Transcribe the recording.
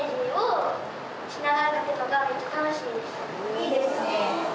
いいですね。